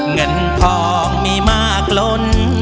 เงินทองมีมากล้น